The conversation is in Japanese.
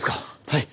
はい。